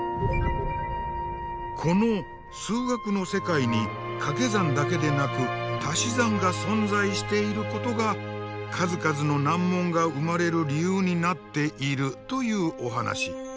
この数学の世界にかけ算だけでなくたし算が存在していることが数々の難問が生まれる理由になっているというお話。